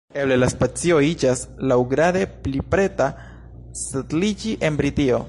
Eble la specio iĝas laŭgrade pli preta setliĝi en Britio.